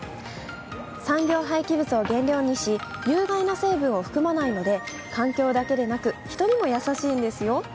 産業廃棄物を原料にし有害な成分を含まないので、環境だけでなく、人にも優しいんですよ。